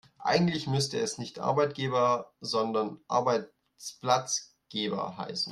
Eigentlich müsste es nicht Arbeitgeber, sondern Arbeitsplatzgeber heißen.